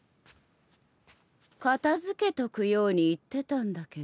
片付けとくように言ってたんだけど。